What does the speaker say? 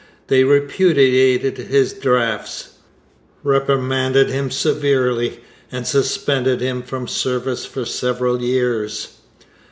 They repudiated his drafts, reprimanded him severely, and suspended him from service for several years.